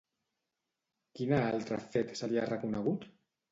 Quina altre fet se li ha reconegut?